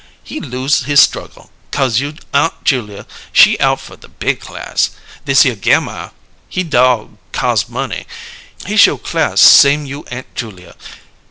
He lose his struggle, 'cause you' Aunt Julia, she out fer the big class. Thishere Gammire, he dog cos' money; he show class same you' Aunt Julia.